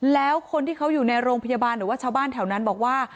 แล้วคนที่เขาอยู่ในโรงพยาบาลหรือว่าชาวบ้านแถวนั้นบอกว่า